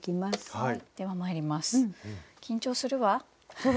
はい。